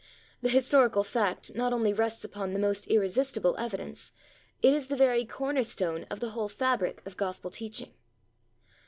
The historical fact not only rests upon the most irresistible evidence; it is the very corner stone of the whole fabric of Gospel teaching.